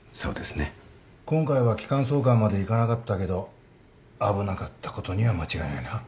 今回は気管挿管までいかなかったけど危なかったことには間違いないな。